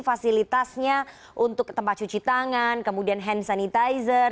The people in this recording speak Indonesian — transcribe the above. fasilitasnya untuk tempat cuci tangan kemudian hand sanitizer